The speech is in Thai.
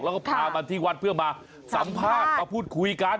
แล้วก็พามาที่วัดเพื่อมาสัมภาษณ์มาพูดคุยกัน